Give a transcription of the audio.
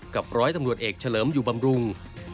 ร้อยตำรวจเอกเฉลิมอยู่บำรุง